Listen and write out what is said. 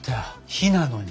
火なのに。